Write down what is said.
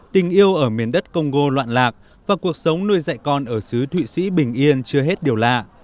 tình yêu ở miền đất congo loạn lạc và cuộc sống nuôi dạy con ở xứ thụy sĩ bình yên chưa hết điều lạ